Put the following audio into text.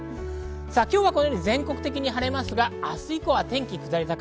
全国的に晴れますが、明日以降は天気は下り坂。